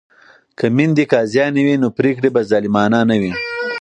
که میندې قاضیانې وي نو پریکړې به ظالمانه نه وي.